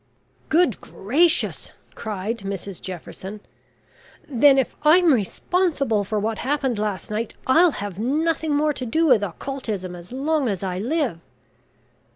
"Good gracious!" cried Mrs Jefferson; "then, if I'm responsible for what happened last night, I'll have nothing more to do with Occultism as long as I live."